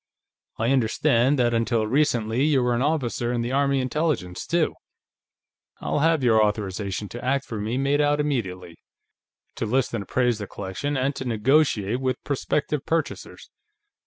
"I understand that, until recently, you were an officer in the Army Intelligence, too.... I'll have your authorization to act for me made out immediately; to list and appraise the collection, and to negotiate with prospective purchasers.